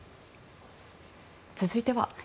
続いては。